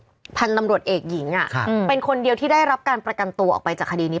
พันธุ์ตำรวจเอกหญิงเป็นคนเดียวที่ได้รับการประกันตัวออกไปจากคดีนี้